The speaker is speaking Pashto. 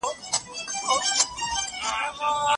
قیس ماته د زوکړې په ورځ ګلان ډالۍ کړل.